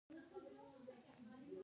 ترهګري غندل پکار دي